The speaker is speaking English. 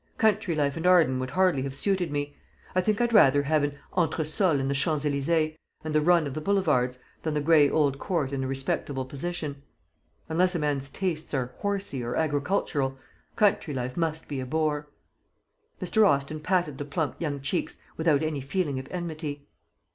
Country life and Arden would hardly have suited me. I think I'd rather have an entresol in the Champs Elysees, and the run of the boulevards, than the gray old Court and a respectable position. Unless a man's tastes are 'horsey' or agricultural, country life must be a bore." Mr. Austin patted the plump young cheeks without any feeling of enmity.